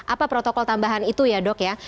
apa protokol tambahan itu ya dok ya